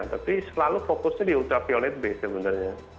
tapi selalu fokusnya di ultraviolet b sebenarnya